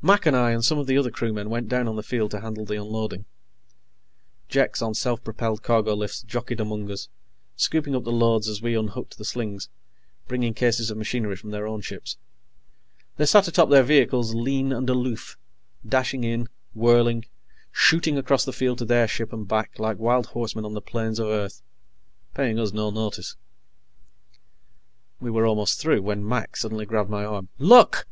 Mac and I and some of the other crewmen went down on the field to handle the unloading. Jeks on self propelled cargo lifts jockeyed among us, scooping up the loads as we unhooked the slings, bringing cases of machinery from their own ship. They sat atop their vehicles, lean and aloof, dashing in, whirling, shooting across the field to their ship and back like wild horsemen on the plains of Earth, paying us no notice. We were almost through when Mac suddenly grabbed my arm. "Look!"